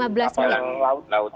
kalau perjalanan kapal laut